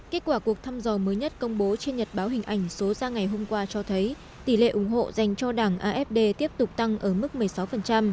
kết quả cuộc thăm dò mới nhất công bố trên nhật báo hình ảnh số ra ngày hôm qua cho thấy tỷ lệ ủng hộ dành cho đảng afd tiếp tục tăng ở mức một mươi sáu